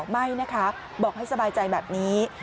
ไม่นะคะบอกให้สบายใจแบบนี้